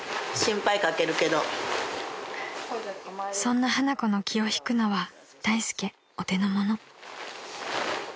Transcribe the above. ［そんな花子の気を引くのは大助お手のもの］